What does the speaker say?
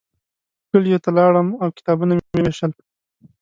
کلیو ته لاړم او کتابونه مې ووېشل.